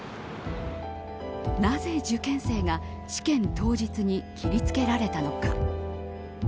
なぜ、受験生が試験当日に切りつけられたのか。